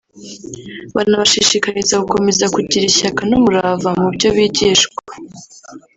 banabashishikariza gukomeza kugira ishyaka n’umurava mu byo bigishwa